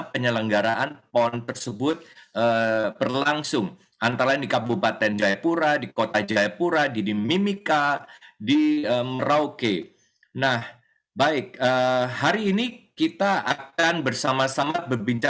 beliau adalah ketua umum koni pusat